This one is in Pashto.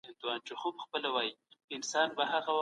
نورو ته زیان رسول بد کار دی.